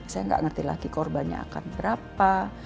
saya tidak mengerti lagi korbannya akan berapa